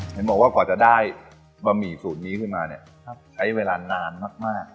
เห็นบอกว่ากว่าจะได้บะหมี่สูตรนี้ขึ้นมาเนี่ยใช้เวลานานมาก